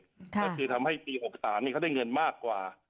ก็คือทำให้ปี๖๓เขาได้เงินมากกว่า